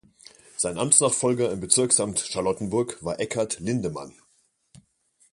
Sein Amtsnachfolger im Bezirksamt Charlottenburg war Eckard Lindemann.